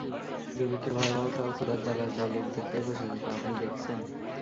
দুর্ভিক্ষের ভয়াবহতা ও ক্ষুধার জ্বালা যা লোকদের পেয়ে বসেছে তা আপনি দেখছেন।